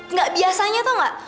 nggak biasanya tau gak